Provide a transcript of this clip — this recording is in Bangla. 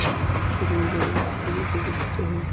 জাদুকরী প্রাণীরা খুব দ্রুত সুস্থ হয়।